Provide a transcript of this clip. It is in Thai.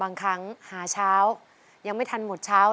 รายการต่อไปนี้เป็นรายการทั่วไปสามารถรับชมได้ทุกวัย